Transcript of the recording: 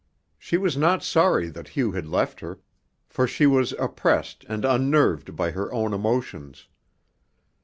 She was not sorry that Hugh had left her, for she was oppressed and unnerved by her own emotions.